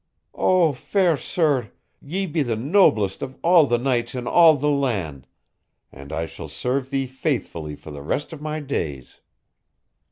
"Oh, fair sir, ye be the noblest of all the knights in all the land, and I shall serve thee faithfully for the rest of my days!"